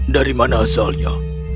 dari mana asalnya